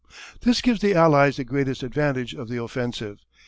_] This gives the Allies the greatest advantage of the offensive.